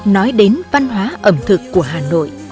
nói đến văn hóa ẩm thực của hà nội